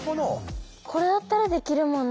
これだったらできるもんね。